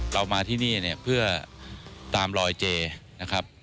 เรามาที่นี่เนี่ยเพื่อตามรอยเจนะครับ